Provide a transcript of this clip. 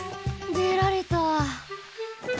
でられた。